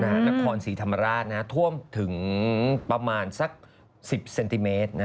นครศรีธรรมราชท่วมถึงประมาณสัก๑๐เซนติเมตร